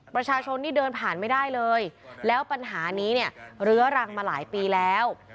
ประชาชนนี่เดินผ่านไม่ได้เลยแล้วปัญหานี้เนี่ยเรื้อรังมาหลายปีแล้ว